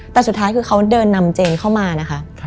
แต่สุดท้ายคือเขาเดินนำเจนเข้ามานะคะ